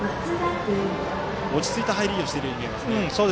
落ち着いた入りをしているように見えますね。